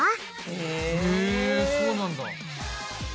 へぇそうなんだ。